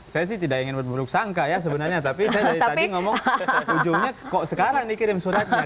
saya sih tidak ingin berburuk sangka ya sebenarnya tapi saya dari tadi ngomong ujungnya kok sekarang dikirim suratnya